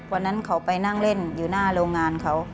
วันนั้นเขาไปนั่งเล่นอยู่หน้าโรงงานเขา